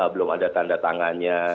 belum ada tanda tangannya